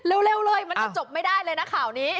เร็วเลยมันจะจบไม่ได้เลยนะข่าวนี้